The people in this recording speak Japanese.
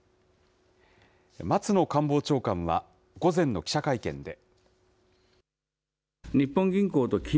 松野官房長官は、午前の記者会見で。